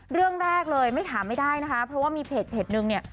เรื่องแรกเลยไม่ถามไม่ได้นะคะเพราะว่ามีเพจนึงเนี่ย